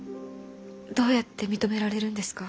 どうやって認められるんですか？